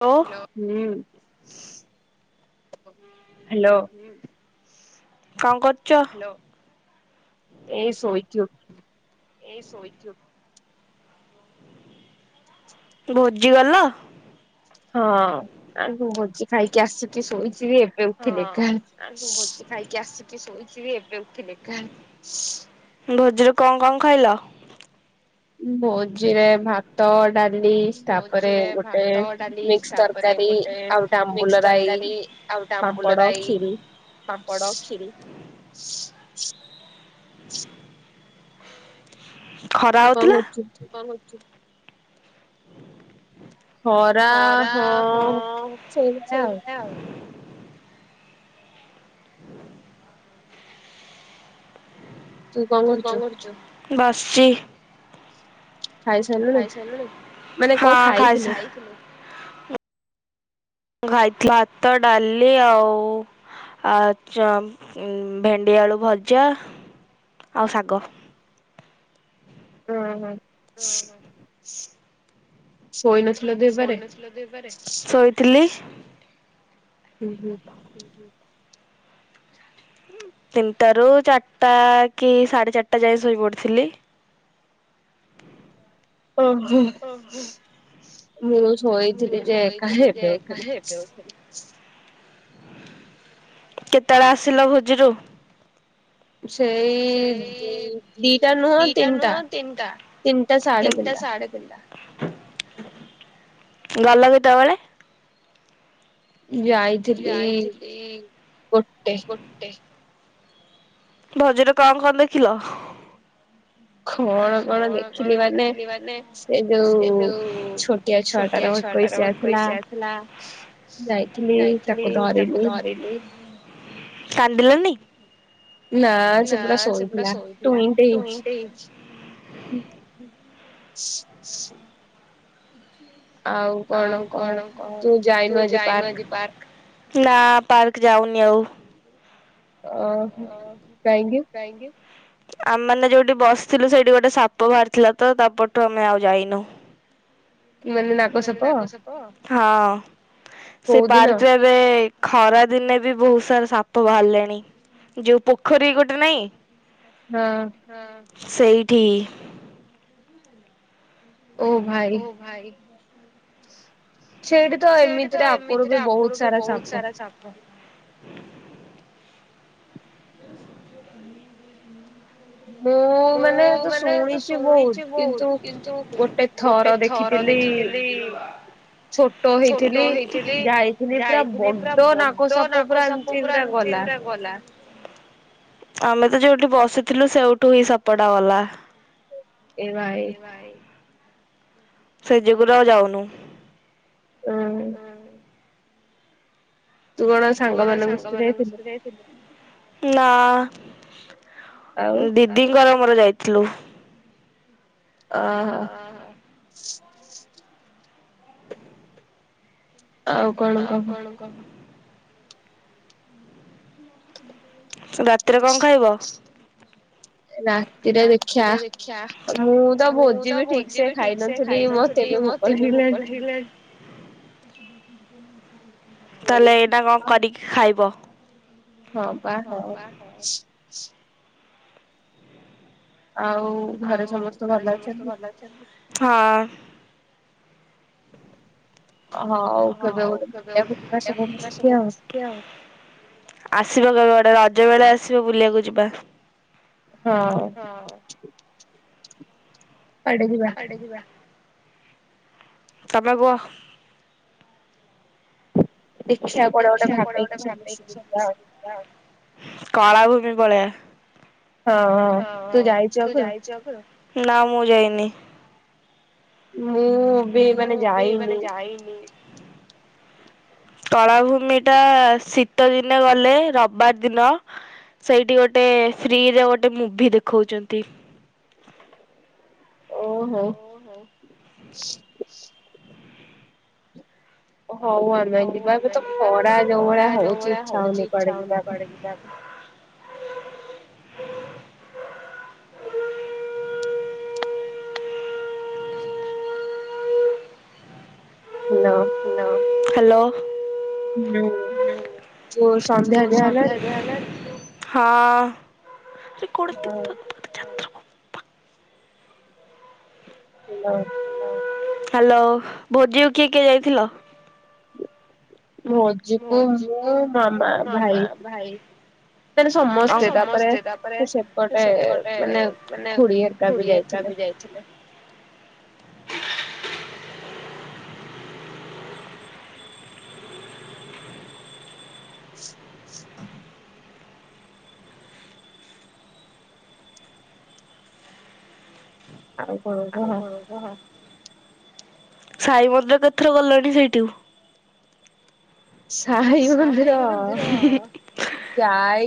ଓ। ହୁଁ। [inaudible] ହ୍ୟାଲୋ। କଣ କରୁଛ ହାଲ। ଏଇ ସୋଇ ଚୁ। ଏ ଶୋଇଚୁ ଭୋଜି ଗଲ। ହଁ ଆଁଜି ଭୋଜିି ଖାଇକି ଆସୁଛି ଶୋଇଚି ଯେ ଏବେ ଉଠିଲେଖା ଖାଇକି ଆସିକି ଶୋଇିଚି ଯେ ଏବେ ଉଠିଲେଖା ଭୋଜିରୁ କଣ କଣ ଖାଇଲ। ବଜା ଭାତ୍। ତ ଡାଲି ତାପରେ ଗୋଟେ ମିକ୍ସ ତରକାରୀ ଆଉ ମିକ୍ସ ତରକାରୀ ଆଉ ଗୋଟେ ଆମ୍ବୁଲ ରାଇ ପାମ୍ପଡ ଖିରି। [inaudible] ଖରା ହଉଥିଲା କଣ କରୁଚୁ? ଖରା ହଁ ସେଇଭଳିଆ ଆଉ। ହୁଁ ତୁ କଣ କରୁଚୁ? ଖାଇ ସାରିଲୁଣି। ଘାଇଥି ଭାତ ଡାଲି ଆଉ ଆଚା ଭେଣ୍ଡି ଆଳୁ ଭଜା ଆଉ ଶାଗ। ହୁଁ ହୁଁ। ହ ଶୋଇ ନଥିଲ କି? ଶୋଇଥିଲି। ହୁଁ ହୁଁ। ହୁଁ ହୁଁ। ତିନିଟାରୁ ଚାରିଟା କି ସାଢ଼େ ଚାରିଟା ଯାଏଁ ଶୋଇପଡ଼ିଥିଲି। ଓହୋ ମୁଁ ଶୋଇଥିଲି ଯେ ଏକା ଏବେ ଉଠିଲି। କେତେବେଳେ ଆସିଲ ଭୋଜିରୁ? ସେଇ ଦ ଦିଟା ନୁହଁ ତିନିଟା। ଚିନ୍ତା। ତିନିଟା ସାଢ଼େ ଦିନ ସାଢ଼େ [unintelligible] ଗଲା କେତେବେଳେ? [unintelligible] ଯାଇଥିଲି ଗୋଟେ। ଭଜରେ କଣ [unintelligible] କଣ କଣ ଦେଖିଲି ମାନେ ସେ ଯୋଉ ଛୋ ଛୋଟିଆ ଛୁଆ ଟାର ଏକୋଉସିଆ ଥିଲା। ଯାଇଥିଲି ତାକୁ ଧରିଲି କାନ୍ଦିଲା ନି? ନା ସେ ପୁରା ଶୋଇଥିଲା ତୁଟ ହେଇଚି। ହୁଁ ହ ନା ପାର୍କ ଯାଉନି ଆଉ। ଓହୋ କାହିଁକି? କାହିଁକି? ଆମେ ମାନେ ଯୋଉଠି ବସିଥିଲୁ ସେଇଠି ଗୋଟେ ସାପ ବାହାରିଥିଲା ତ ତାପଠୁ ଆମେ ଆଉ ଯାଇନୁ। ହଁ ସେପଟେ [unintelligible] ଏବେ ଖରା ଦିନେ ବି ବୋହୁତ ସାରା ସାପ ବାହାରିଲେଣି। ଯୋଉ ପୋଖରୀ ଗୋଟେ ନାଇଁ। ହଁ। ହ ସେଇଠି। ଓ ଭାଇ। ସେଇଠି ତ ଏମିତିରେ ଆଗରୁ ବି ବହୁତ ସାରା ସାପ। ତ ମୁଁ ମାନେ ତ ଶୁଣିଚି ବୋହୁତ କିନ୍ତୁ ଗୋଟ ଥ ଦେଖିଥିଲି ଛୋଟ ହେଇଥିଲି ଯାଇଥିଲି ପୁରା ବଡ ନାକ ସାପ ପୋରା ଏମିତି ପୁରା ଗଲା। ଆମେ ତ ଯୋଉଠି ବସିଥିଲୁ ସେଉଠୁ ହିଁ ସାପଟା ବା ଏ ଭାଇ। ସେ ଜାଗା [unintelligible] ହଁ ତୁ କଣ ସାଙ୍ଗମାନଙ୍କ ସହିତ ଯାଇଥିଲୁ? ନା ଦିଦିଙ୍କର ମୋର ଯାଇଥିଲୁ। ଓହୋ। ଆଉ କଣ [unintelligible] ରାତିରେ କଣ ଖାଇବ? ରାତିରେ ଦେଖିବା ମୁଁ ତ ଭୋଜି ବି ଠିକ ସେ ଖାଇନଥିଲି ମତେ ବି କଣ ହେଲାଣି? ତାହେଲେ ଏଇନା କଣ କରିକି ଖା [unintelligible] ହଁ ପା ହ ଆଉ ଘରେ ସମସ୍ତେ ଭଲ ଅଛନ୍ତି? ହଁ। ହଁ ଆଉ କେବେ ଗୋଟେ ବୁ [unintelligible] ସବୁ ମିଶିକି ଆଉ। ଆସିବ କେବେ ଗଡେ ରଜ ବେଳେ ଆସିବ ବୁଲିବାକୁ ଯିବା। ହଁ। ପଡ଼ି ଯିବା। ଯିବା। ତମେ କୁହ। ଦେଖିବା କୋଡେ ଗୋଟେ ଭାବିକି ସମସ୍ତେ କେଉଟିକି ଯିବା ଆଉ। କଳା ଭୂମି ପଲେଇବା। ହଁ ହଁ। ତୁ ଯାଇଛୁ ଆଗରୁ। ଜୟପୁର। ନା ମୁଁ ଯାଇନି। ମୁଁ ବି ମାନେ ଯାଇନି। କଳା ଭୂମି ଟା ଶୀ ଶୀତ ଦିନେ ଗଲେ ରବବାର ଦିନ ସେଇଟି ଗୋଟେ ଫ୍ରୀ ରେ ଗୋଟେ ମୁଭି ଦେଖଉଛନ୍ତି। ଓହୋ। ହଉ ଆମେ ଯିବା। ଏବେ ତ ଖରା ଯୋଉ ଭଳିଆ ହଉଛି ଇଚ୍ଛା ହଉନି କୁଆଡେ ଯିବାକୁ। ଯ [unintelligible] ହେଲୋ। ହ୍ୟାଲୋ। ତ ସନ୍ଧ୍ୟାବେଳା ହେଲା। ହଁ। ହ୍ୟାଲୋ। ସୀମାର। ହ୍ୟାଲୋ, ଭୋଜିକୁ କିଏ କିଏ ଯାଇଥିଲ? ଭୋ ଭୋଜିକୁ ମୋ ମାମା ଭାଇ ସମସ୍ତେ ତାପରେ ସେପଟେ ମାନେ ଖୁଡି ଏକା ବି ଯାଇଥିଲେ। ହ ହ ଆଉ। ସାଇ ମନ୍ଦିର କେତେଥର ଗଲଣି ସେଇଠୁ? ସାଇ ମନ୍ଦିର।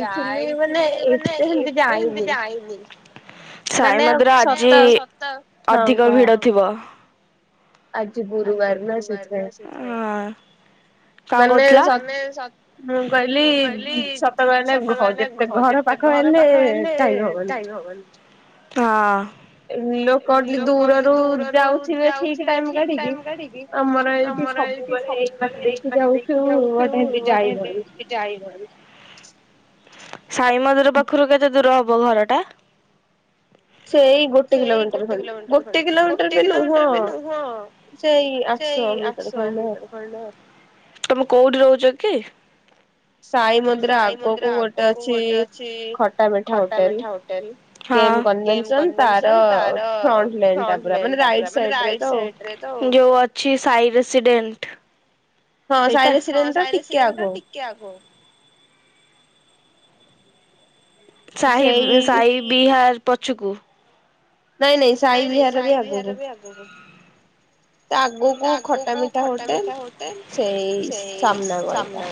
ଯାଇଥିଲି ମାନେ ଏତେ ଏମିତି ଯାଇନି। ସାଇମନ୍ଦିର ଆଜି ଅଧିକ ଭିଡ ଥିବ। ଆଜି ଗୁରୁବାର ନା ସେଥି ପାଇଁ। ଆ। କଣ କହୁଥିଲ? ମୁଁ କହିଲି ସ ସତକହିଲେ ଘ ଯେତେ ଘର ପାଖ ଆଇଲେ ଚାହିଁ ହବନି। ହଁ। ଲୋକ ଯ ଦୂରରୁ ଯାଉଥିବେ ଠିକ ଟାଇମ କାଢି ଆମର ଏଇଠି ସବୁବେଳେ ଏଇ ବାଟ ଦେଇକି ଯାଉଛୁ ଗୋଟେ ଏମତି ଯାଇପାରୁଛୁ। ସାଇ ମନ୍ଦିର ପାଖରୁ କେତେ ଦୂର ହବ ଘର ଟା? ସେଇ ଗୋଟେ କିଲୋମିଟର ଖଣ୍ଡେ। ଗୋଟେ କିଲୋମିଟର ବି ନୁହଁ। ସେଇ ଆଠଶହ ମିଟର ଖଣ୍ଡେ ହ ତମେ କୋଉଠି ରହୁଛ କି? ସାଇ ମନ୍ଦିର ଆଗକୁ ଗୋଟେ ଅଛି Khatta Meetha hotel. Hotel. K M convention ତାର ଫ୍ରଣ୍ଟ ଲାଣ୍ଡ ଟା ପୁରା ମାନେ ରାଇଟ ସାଇଡ୍ ଯୋଉ ଅଛି ସାଇ ରେସିଡେଣ୍ଟ। ହଁ ସାଇ ରେସିଡେଣ୍ଟ ଟା ଟିକେ ଆଗ। ସାହି ବି ସାହି ବିହାର ପଛକୁ ନାଇଁ ନାଇଁ ସାଇ ବିହାରବି ଆଗକୁ। ଆଗକୁ ଖଟା ମିଠା ହୋଟେଲ ସେଇ ସାମ୍ନା ଗଳିଟା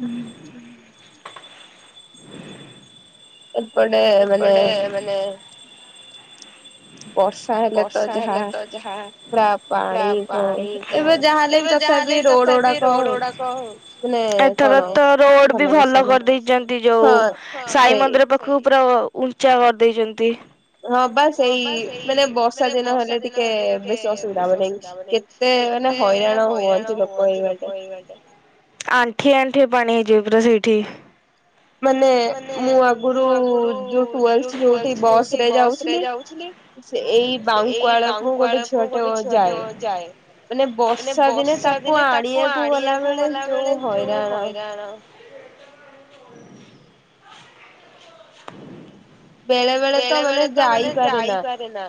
ହୁଁ, ଏପଟେ ଏପଟେ ଏମାନେ ପସ ହେଲତ ଯାହା ପୁରା ପାଣି କ ଏବେ ଯାହା ହେଲେବି ତଥାପି ରୋଡଗୁରାକ ରୋଡଗୁରାକ ଏଥରତ ରୋଡବି ଭଲ କରିଦେଇଛନ୍ତି ଯୋଉ ସାଇ ମନ୍ଦିର ପାଖ ଖୁବରା ଉଞ୍ଚା କରିଦେଇଛନ୍ତି। ହଁପା ସେଇ ମାନେ ବର୍ଷା ଦିନ ହେଲେ ଟିକେ ବେଶି ଅସୁବିଧା ହବନେଇକି କେତେ ମାନେ ହଇରାଣ ହୁଅନ୍ତି ଲୋକ ଏଇ ବାଟେ ଆଣ୍ଠିଏ ଆଣ୍ଠିଏ ପାଣି ହେଇଯାଏ ପୁରା ସେଇଠି ମାନେ ମୁଁ ଆଗରୁ [inaudible] ବସ ଯୋଉଠି ବସ ରେ ଯାଉଛି। ସେ ଏଇ ବାଉପାଳକୁ ଗୋଟେ ଛୁଆ ଟେ ଯାଏ। ମାନେ ବର୍ଷା ଦିନେ ତାକୁ ଆଣିବାକୁ ଗଲା ବେଳେ ଯୋଉ ହଇରାଣ ବେଳେ ବେଳେ ତ ମାନେ ଯାଇପାରେନା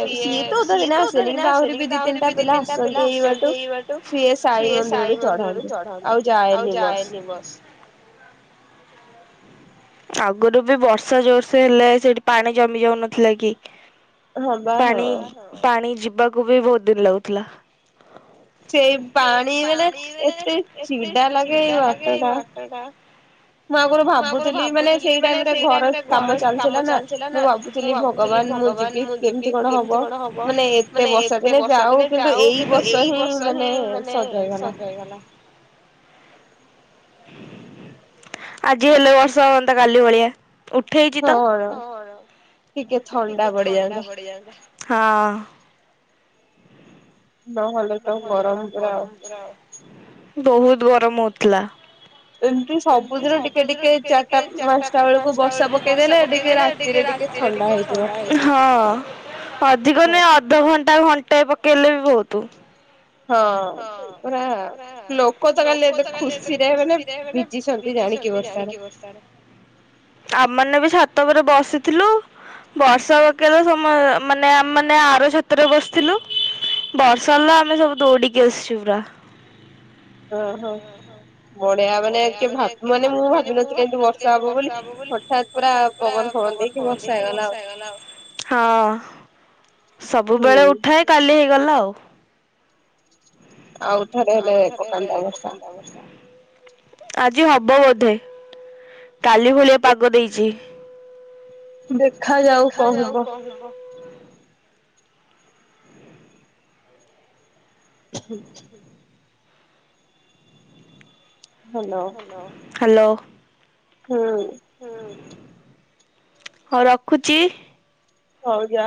ସିଏ ସିଏତ ଦିନେ ଆସିବେନି କିନ୍ତୁ ଆହୁରିବି ଦି ତିନିଟା ପିଲା ଆସିଛନ୍ତି ଏଇ ବାଟୁ ସିଏ ସାଇ ମନ୍ଦିରରୁ ଚଢନ୍ତି। ଆଉ ଯାଏନି ବସ ଆଗରୁ ବି ବର୍ଷା ଜୋରସେ ହେଲା ସେଠି ପାଣି ଜମି ଯାଉନଥିଲା କି? ପାଣି ପାଣି ଯିବାକୁ ବି ବହୁତ ଦିନ ଲାଗୁଥିଲା। ସେଇ ପାଣି ମାନେ ଏତେ ଚିଡାଲାଗେ ଏଇ ବାଟଟା ହଁ ପା ମୁଁ ଆଗରୁ ଭାବୁଥିଲି ମାନେ ସେଇ ଟାଇମରେ ଘର କାମ ଚାଲିଥିଲାନା ମୁଁ ଭାବୁଥିଲି ଭଗବାନ ମୁଁ ଯିବି କେମିତି କଣହବ ମାନେ ଏତେ ବର୍ଷାଦିନେ ଯାଉ କିନ୍ତୁ ଏଇବର୍ଷ ହିଁ ମାନେ ହୁଁ ସତରେ ଆଜି ହେଲେ ବର୍ଷା ହୁଅନ୍ତା। ତ କାଲି ଭଳିଆ ଉଠେଇଛିିତ ଟିକେ ଥଣ୍ଡା ପଡିଯାଆନ୍ତା। ହଁ, ନଅହେଲେ ତ ଗରମ ପୁରା ଆଉ ବହୁତ ଗରମ ହଉଥିଲା। ଏମତି ସବୁଦିନ ଟିକେ ଟିକେ ଚାରିଟା ପାଞ୍ଚଟା ବେଳକୁ ବର୍ଷା ପକେଇଦେଲେ ଟିକେ ରାତି ଟିକିଏ ରାତିରେ ଟିକିଏ ଥଣ୍ଡା ହଁ ଅଧିକ ନୁହେଁ ଅଧି ଅଧଘଣ୍ଟା ଘଣ୍ଟା ପକେଇଲେବି ବହୁତ ହଁ ପୁରା ଲୋକତ କାଲି ଏତେ ଖୁସିରେ ହେବେନିବି ଆମେମାନେବି ଛାତ ଉପରେ ବସିଥିଲୁ। ବର୍ଷା ପକେଇଲା ସମ ମାନେ ଆମେମାନେ ଆର ଛାତରେ ବସି ଥିଲୁ ବର୍ଷା ହେଲା ଆମେ ସବୁ ଦୌଡିକି ଆସିଛୁ ପୁରା। ଓ ହୋ ବଢିଆ ମାନେ କିଏ ଭାବିବନି ମାନେ ମୁଁ ଭାବିନଥିଲି ଏମିତି ବର୍ଷା ହବ ବୋଲି ହଠାତ ହଠାତ ପୁରା ପବନ ଫବନ ଦେଇକି ବର୍ଷା ହେଇଗଲା ଆଉ ହଁ ସବୁବେଳେ ଉଠାଏ କାଲି ହେଇଗଲା ଆଉ। ଆଉ ଥରେ ହେଲେ ପକାନ୍ତା ବର୍ଷା। ଆଜି ହବ ବୋଧେ କାଲି ଭଳିଆ ପାଗ ଦେଇଛି। ଦେ ଦେଖାଯାଉ କଣ ହବ। [inaudible] [unintelligible] [unintelligible] ହଲୋ। ହ୍ୟାଲୋ। ହୁଁ। ହଁ ହଉ ରଖୁଚି। ହଉ ଜା